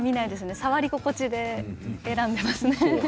触り心地で選んでいますね。